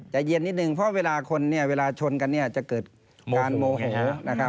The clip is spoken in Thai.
ใจเย็นนิดหนึ่งเพราะเวลาคนเวลาชนกันจะเกิดการโมโหนะครับ